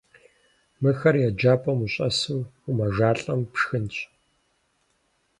Мыхэр еджапӀэм ущӀэсу умэжалӀэм, пшхынщ.